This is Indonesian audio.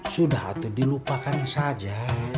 sudah tuh dilupakan saja